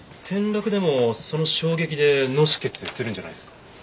転落でもその衝撃で脳出血するんじゃないですか？